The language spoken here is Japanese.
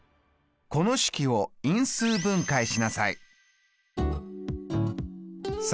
この式を因数分解しなさい。